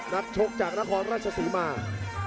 นัดชกจากนครรัชศาสิมาก